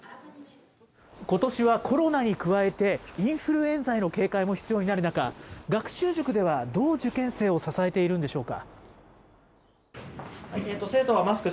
ことしはコロナに加えて、インフルエンザへの警戒も必要になる中、学習塾ではどう受験生を支えているんでしょうか。